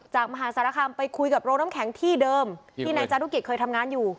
มหาสารคามไปคุยกับโรงน้ำแข็งที่เดิมที่นายจารุกิจเคยทำงานอยู่